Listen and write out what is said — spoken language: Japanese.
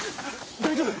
大丈夫！？